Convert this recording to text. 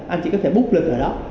anh chị có thể búc lịch ở đó